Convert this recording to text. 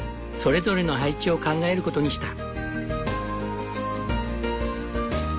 それぞれの配置を考えることにした。